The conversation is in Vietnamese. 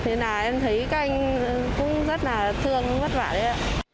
thế nào em thấy các anh cũng rất là thương rất là vất vả đấy ạ